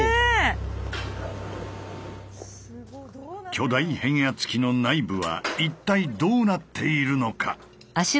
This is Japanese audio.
巨大変圧器の内部は一体どうなっているのか。